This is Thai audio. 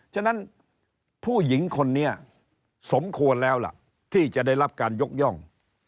ฉะนั้นผู้หญิงคนนี้สมควรแล้วล่ะที่จะได้รับการยกย่อง